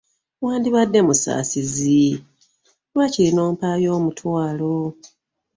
Wandibadde musaasizi n'ompaayo waakiri omutwalo.